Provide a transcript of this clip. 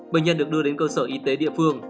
bệnh nhân được đưa đến cơ sở y tế địa phương